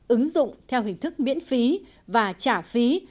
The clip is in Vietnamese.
ứng dụng theo hình thức miễn phí